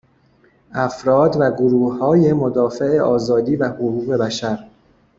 افراد و گروههای مدافع آزادی و حقوق بشر